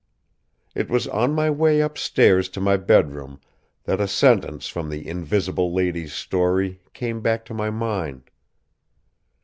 It was on my way upstairs to my bedroom that a sentence from the invisible lady's story came back to my mind.